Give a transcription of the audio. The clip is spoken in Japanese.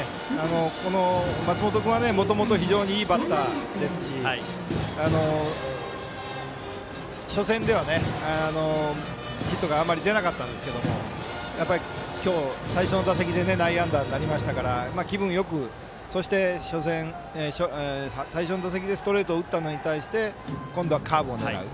この松本君はもともと非常にいいバッターですし初戦ではヒットがあまり出なかったんですけど今日、最初の打席で内野安打になりましたから気分よく、そして最初の打席ストレートを打ったのに対して今度はカーブをとらえた。